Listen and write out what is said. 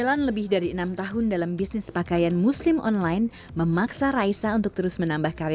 akhirnya kita agak mengerti kalau kalo kayaknya pesuloknya siapa ini